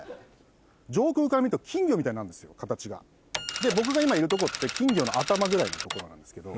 で僕が今いるとこって金魚の頭ぐらいの所なんですけど。